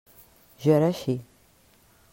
Jo era així.